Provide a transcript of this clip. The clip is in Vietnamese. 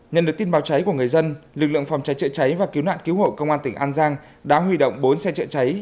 nhận được tin báo cháy của người dân lực lượng phòng cháy chữa cháy và cứu nạn cứu hộ công an tỉnh an giang đã huy động bốn xe chữa cháy